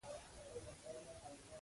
ستا د حسن ساری نشته دی جانانه